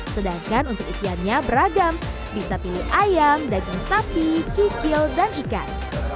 sedangkan untuk isiannya beragam bisa pilih ayam daging sapi kikil dan ikan